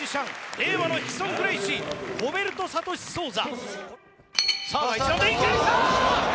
令和のヒクソン・グレイシーホベルト・サトシ・ソウザ。